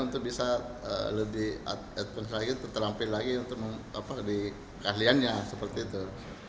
untuk bisa lebih terampil lagi untuk dikahliannya seperti itu